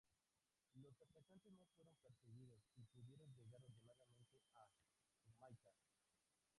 Los atacantes no fueron perseguidos y pudieron llegar ordenadamente a Humaitá.